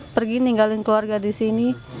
pergi ninggalin keluarga di sini